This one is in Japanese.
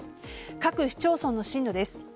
各市町村の震度です。